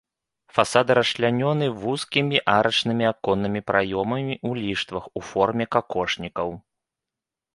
Фасады расчлянёны вузкімі арачнымі аконнымі праёмамі ў ліштвах у форме какошнікаў.